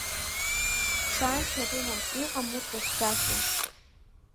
Ԥшаашьа рымам, иҟам урҭ рыхьӡашьа.